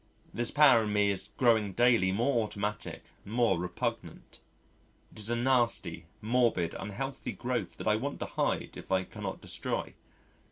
This power in me is growing daily more automatic and more repugnant. It is a nasty morbid unhealthy growth that I want to hide if I cannot destroy.